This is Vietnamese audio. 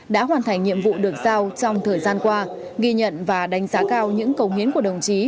đã hoàn thành nhiệm vụ được giao trong thời gian qua ghi nhận và đánh giá cao những công hiến của đồng chí